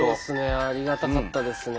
ありがたかったですね。